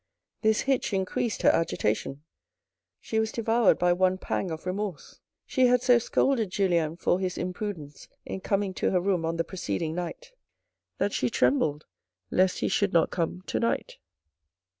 This hitch increased her agitation. She was devoured by one pang of remorse. She had so scolded Julien for his imprudence in coming to her room on the preceding night, that she trembled lest he should not come to nignt.